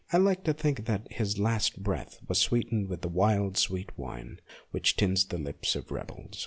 I like to think that his last breath was sweetened with the wild, sweet wine which tints the lips of rebels.